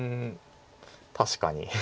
確かに。